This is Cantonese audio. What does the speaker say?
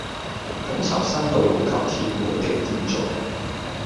統籌新道路及鐵路的建造